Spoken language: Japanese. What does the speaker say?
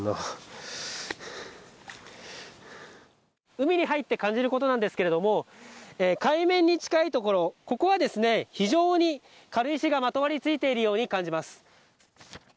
海に入って感じることなんですけれども、海面に近いところ、ここは非常に軽石がまとわりついているように感じます。